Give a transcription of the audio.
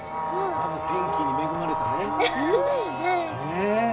まず天気に恵まれてね。